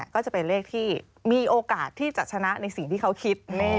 ก็จะเป็นเลขที่มีโอกาสที่จะชนะในสิ่งที่เขาคิด